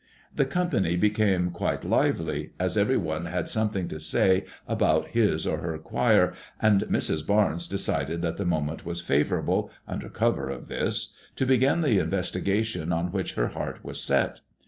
The company became quite lively, as every one had something to say about his or her choir, and Mrs. Barnes decided that the moment was favourable, under cover of this, to begin the inves tigation on which her heart was set.